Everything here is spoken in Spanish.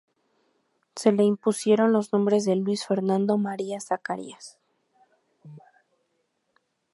Se le impusieron los nombres de Luis Fernando María Zacarías.